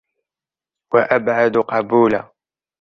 وَأَبْعَدُ قَبُولًا